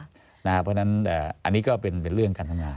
เพราะฉะนั้นอันนี้ก็เป็นเรื่องการทำงาน